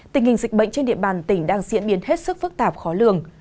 tình hình dịch bệnh trên địa bàn tỉnh đang diễn biến hết sức phức tạp khó lường